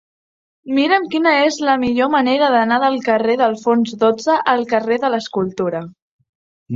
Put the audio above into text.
Mira'm quina és la millor manera d'anar del carrer d'Alfons dotze al carrer de l'Escultura.